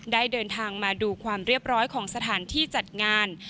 ได้เดินทางมาดูความเรียบร้อยของสถานที่จัดงาน